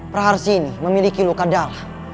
praharsini memiliki luka dalam